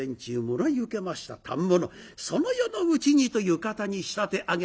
もらい受けました反物その夜のうちにと浴衣に仕立て上げます。